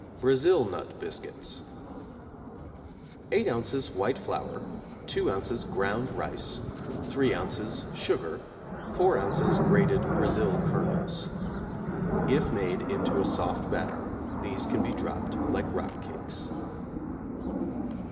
Brazil nut Biscuits= 8 ozs. white flour, 2 ozs. ground rice, 3 ozs. sugar, 4 ozs. grated brazil kernels. (If made into a soft batter these can be dropped like rock cakes).